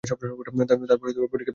তার পরে বুড়ীকে আর বাঁচতে দিলে না।